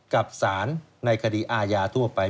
กับสารในคดีอาญาทั่วไป